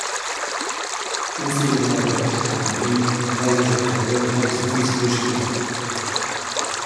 Un fillo de labregos, coma min, vai ter cada vez máis difícil estudar.